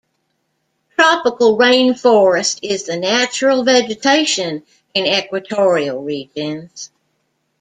Tropical rainforest is the natural vegetation in equatorial regions.